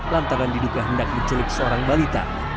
lantaran diduka hendak menculik seorang balita